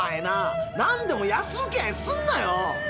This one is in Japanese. なんでも安うけ合いすんなよ！